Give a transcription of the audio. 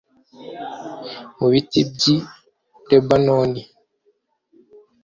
Mu biti by’i Lebanoni.